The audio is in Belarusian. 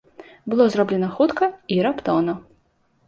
Было зроблена хутка і раптоўна.